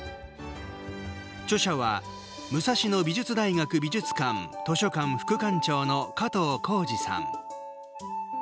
著者は、武蔵野美術大学美術館・図書館副館長の加藤幸治さん。